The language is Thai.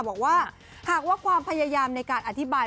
บอกว่าหากว่าความพยายามในการอธิบาย